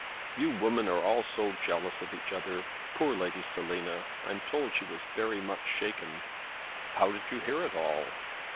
"You women are all so jealous of each other. Poor Lady Selina! I'm told she was very much shaken." "How did you hear it all?"